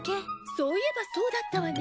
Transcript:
そういえばそうだったわね。